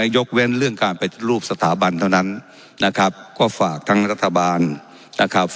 ยกเว้นเรื่องการปฏิรูปสถาบันเท่านั้นนะครับก็ฝากทั้งรัฐบาลนะครับ